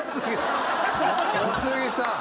小杉さん！